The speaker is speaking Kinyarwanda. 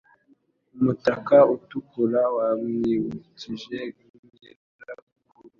Umutaka utukura wamwibukije nyirakuru.